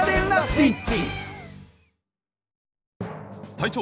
隊長！